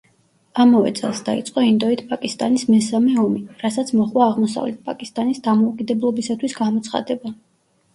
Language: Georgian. ამავე წელს დაიწყო ინდოეთ-პაკისტანის მესამე ომი, რასაც მოჰყვა აღმოსავლეთ პაკისტანის დამოუკიდებლობისათვის გამოცხადება.